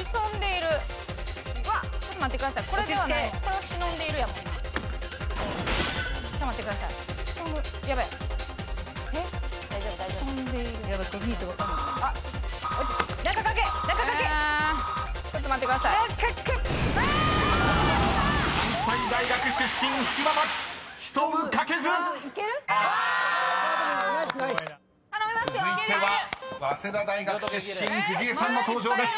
［続いては早稲田大学出身藤江さんの登場です］